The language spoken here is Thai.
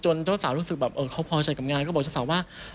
เจ้าสาวรู้สึกแบบเขาพอใจกับงานก็บอกเจ้าสาวว่า